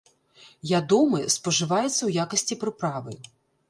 Ядомы, спажываецца ў якасці прыправы.